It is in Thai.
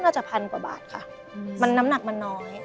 อาจจะพันกว่าบาทค่ะมันน้ำหนักมันน้อย